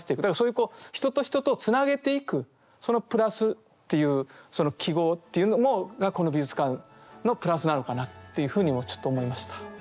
だからそういう人と人とをつなげていくその「プラス」っていうその記号というのがこの美術館の「プラス」なのかなっていうふうにもちょっと思いました。